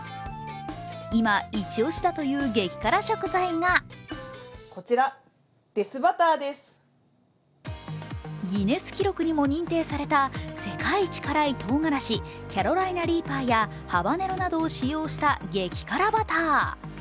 今、イチ押しだという激辛食材がギネス記録にも認定された世界一辛いとうがらしキャロライナ・リーパーやハバネロなどを使用した激辛バター。